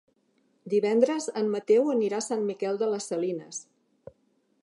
Divendres en Mateu anirà a Sant Miquel de les Salines.